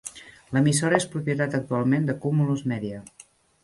L'emissora és propietat actualment de Cumulus Media.